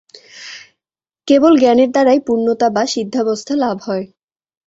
কেবল জ্ঞানের দ্বারাই পূর্ণতা বা সিদ্ধাবস্থা লাভ হয়।